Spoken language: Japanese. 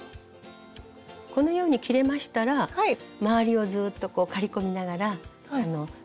このように切れましたら周りをずっと刈り込みながら調整して頂くと。